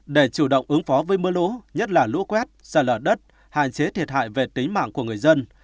để chủ động ứng phó với mưa lũ nhất là lũ quét xa lở đất hạn chế thiệt hại về tính mạng của người dân